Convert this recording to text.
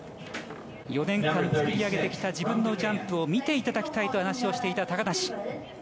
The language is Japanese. ４年間作り上げてきた自分のジャンプを見ていただきたいと話をしていた高梨。